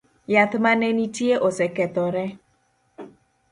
Yath mane nitie osekethore